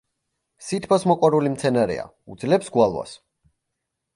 სითბოს მოყვარული მცენარეა, უძლებს გვალვას.